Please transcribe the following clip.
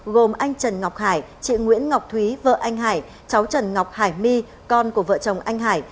gồm anh trần ngọc hải chị nguyễn ngọc thúy vợ anh hải cháu trần ngọc hải my con của vợ chồng anh hải